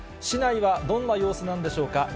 市内はどんな様子なんでしょうか。